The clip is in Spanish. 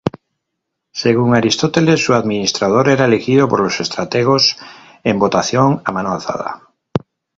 Según Aristóteles su administrador era elegido por los estrategos en votación a mano alzada.